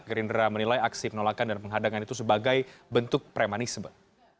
gerindra menilai aksi penolakan dan penghadangan itu sebagai bentuk premanisme